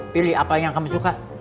pilih apa yang kami suka